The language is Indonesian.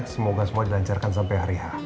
semoga semua dilancarkan sampai hari ini